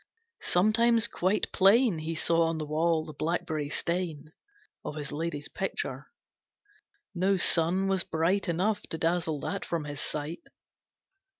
Sometimes quite plain He saw on the wall the blackberry stain Of his lady's picture. No sun was bright Enough to dazzle that from his sight.